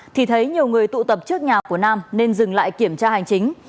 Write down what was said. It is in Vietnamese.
thì thấy nhiều người tụ tập trước nhà của nam nên dừng lại kiểm tra hành chính